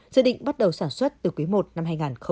dự định bắt đầu sản xuất từ quý i năm hai nghìn hai mươi